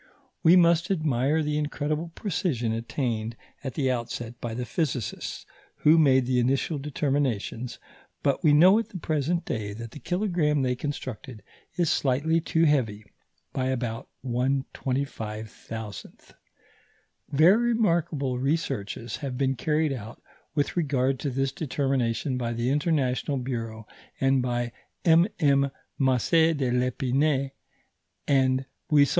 We must admire the incredible precision attained at the outset by the physicists who made the initial determinations, but we know at the present day that the kilogramme they constructed is slightly too heavy (by about 1/25,000). Very remarkable researches have been carried out with regard to this determination by the International Bureau, and by MM. Macé de Lépinay and Buisson.